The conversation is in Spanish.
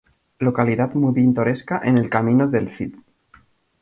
Localidad muy pintoresca en el Camino del Cid.